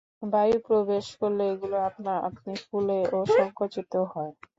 বায়ু প্রবেশ করলে এগুলো আপনা আপনি ফুলে ও সংকুচিত হয়।